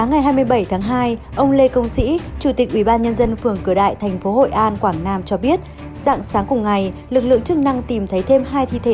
hãy đăng ký kênh để ủng hộ kênh của chúng mình nhé